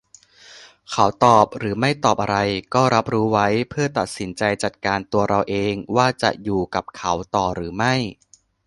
เขาตอบหรือไม่ตอบอะไร ก็รับรู้ไว้ เพื่อตัดสินใจจัดการตัวเราเอง ว่าจะ"อยู่"กับเขาต่อหรือไม่